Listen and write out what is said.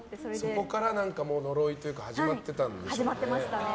そこから呪いというかが始まってたんでしょうね。